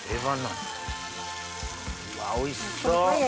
うわおいしそう！